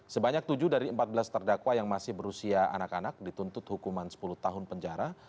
sebanyak tujuh dari empat belas terdakwa yang masih berusia anak anak dituntut hukuman sepuluh tahun penjara